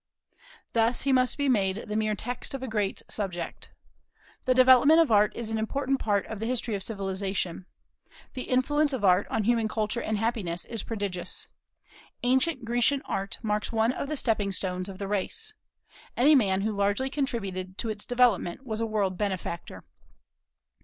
Thus he must be made the mere text of a great subject. The development of Art is an important part of the history of civilization. The influence of Art on human culture and happiness is prodigious. Ancient Grecian art marks one of the stepping stones of the race. Any man who largely contributed to its development was a world benefactor.